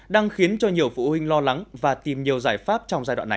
đang khiến cho nhiều phụ huynh lo lắng và tìm nhiều giải pháp trong giai đoạn này